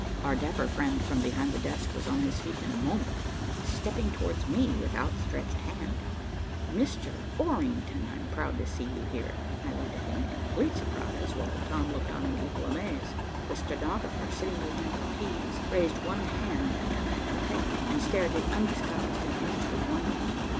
Our dapper friend from behind the desk was on his feet in a moment, stepping towards me with outstretched hand. "Mr. Orrington, I'm proud to see you here." I looked at him in complete surprise, while Tom looked on in equal amaze. The stenographer sitting behind her keys raised one hand to pat her hair, and stared in undisguised and interested wonder.